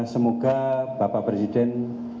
semoga bapak presiden